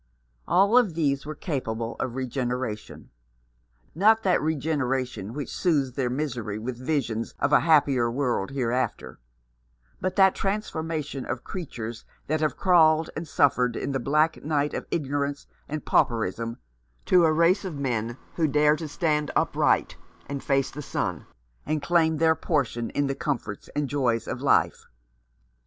All of these were capable of regeneration — not that regeneration which soothes their misery with visions of a hap pier world hereafter, but that transformation of creatures that have crawled and suffered in the black night of ignorance and pauperism to a race of men who dare to stand upright, and face the sun, and claim their portion in the comforts and joys of life.